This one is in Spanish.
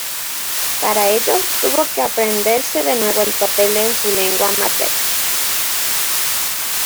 Para ello tuvo que aprenderse de nuevo el papel en su lengua materna.